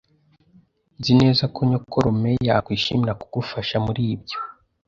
Nzi neza ko nyokorome yakwishimira kugufasha muri ibyo.